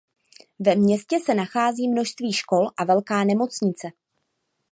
Ve městě se nachází množství škol a velká nemocnice.